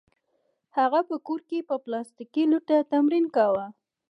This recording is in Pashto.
هغه په کور کې په پلاستیکي لوټه تمرین کاوه